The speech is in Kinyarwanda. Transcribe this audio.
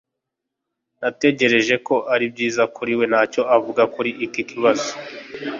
natekereje ko ari byiza kuri we ntacyo avuga kuri iki kibazo